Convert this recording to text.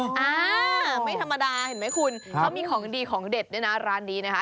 อ่าไม่ธรรมดาเห็นไหมคุณเขามีของดีของเด็ดด้วยนะร้านนี้นะคะ